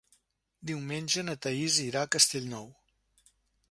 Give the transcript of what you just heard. Diumenge na Thaís irà a Castellnou.